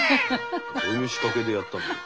どういう仕掛けでやったんだろう？